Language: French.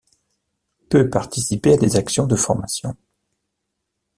Peut participer à des actions de formation.